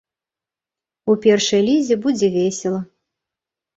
У першай лізе будзе весела.